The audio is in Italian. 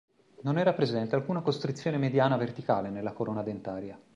Non era presente alcuna costrizione mediana verticale nella corona dentaria.